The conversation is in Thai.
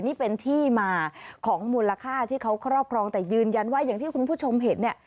นี่เป็นที่มาของมูลค่าที่เขาครอบครองแต่ยืนยันว่าอย่างที่คุณผู้ชมเห็นเนี่ย